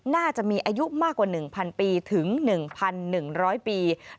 น่าจะมีอายุมากกว่า๑๐๐ปีถึง๑๑๐๐ปี